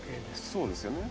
そうですよね。